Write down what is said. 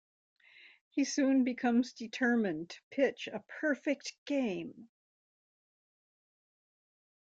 He soon becomes determined to pitch a perfect game.